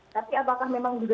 tapi apakah memang juga